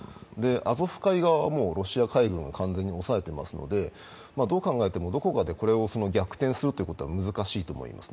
アゾフ海側はロシア海軍が完全に抑えてますのでどう考えても、どこかでこれを逆転するのは難しいと思います。